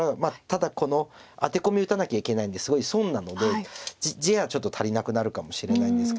ただこのアテコミ打たなきゃいけないんですごい損なので地がちょっと足りなくなるかもしれないんですけど。